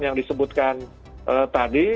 yang disebutkan tadi